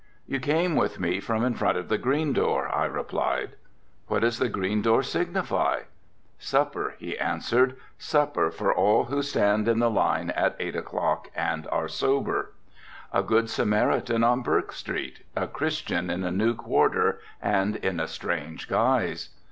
"You came with me from in front of the green door," I replied. "What does the green door signify?" "Supper," he answered, "supper for all who stand in the line at eight o'clock and are sober." "A good Samaritan on Bourke street, a Christian in a new quarter and in a strange guise."